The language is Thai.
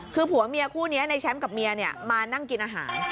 คือผัวเมียคู่นี้ในแชมป์กับเมียมานั่งกินอาหาร